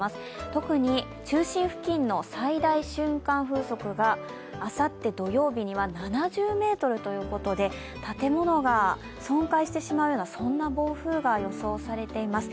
特に、中心付近の最大瞬間風速があさって土曜日には７０メートルということで建物が損壊してしまうような暴風が予想されています。